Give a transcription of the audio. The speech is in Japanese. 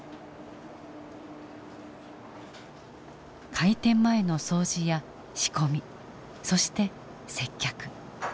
開店前の掃除や仕込みそして接客。